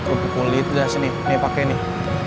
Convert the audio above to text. kropokolit udah sini nih pakai nih